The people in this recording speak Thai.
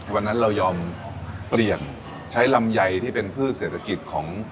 วันนั้นเรายอมเปลี่ยนใช้ลำไยที่เป็นพืชเศรษฐกิจของ